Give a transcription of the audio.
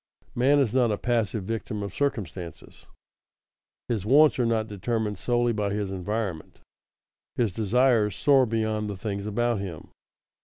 Man is not a passive victim of circumstances; his wants are not determined solely by his environment; his desires soar beyond the things about him.